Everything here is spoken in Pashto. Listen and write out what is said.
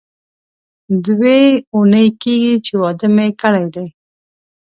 دوې اونۍ کېږي چې واده مې کړی دی.